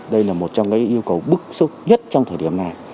đây là một trong những yêu cầu bức xúc nhất trong thời điểm này